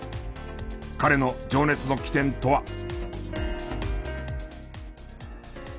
彼の情熱の起点とは。